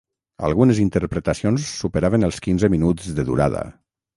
Algunes interpretacions superaven els quinze minuts de durada.